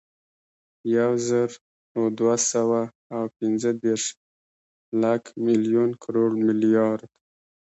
یوزرودوهسوه اوپنځهدېرش، لک، ملیون، کروړ، ملیارد